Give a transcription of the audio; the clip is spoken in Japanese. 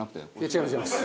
違います。